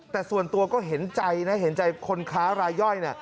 แต่ส่วนตัวก็เห็นใจนะเห็นใจคนค้ารายย่อย